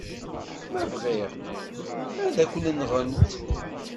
Ma bɣiɣ, ad k-nɣent.